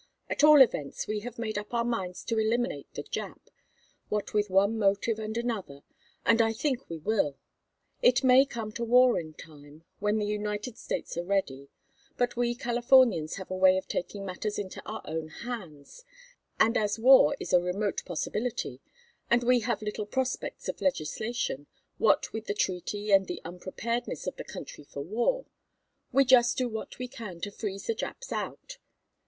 At all events we have made up our minds to eliminate the Jap, what with one motive and another, and I think we will. It may come to war in time when the United States are ready but we Californians have a way of taking matters into our own hands, and as war is a remote possibility, and we have little prospects of legislation what with the treaty and the unpreparedness of the country for war we just do what we can to freeze the Japs out.